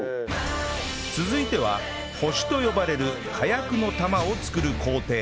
続いては星と呼ばれる火薬の玉を作る工程